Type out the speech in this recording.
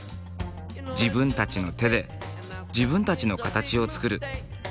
自分たちの手で自分たちの形をつくる。